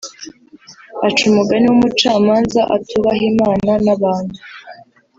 aca umugani w’ umucamanza atubaha Imana n’ abantu